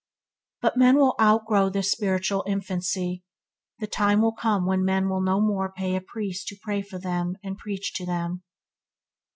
But men will outgrow this spiritual infancy. The time will come when men will no more pay a priest to pray for them and preach to them.